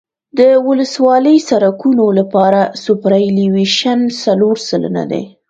د ولسوالي سرکونو لپاره سوپرایلیویشن څلور سلنه دی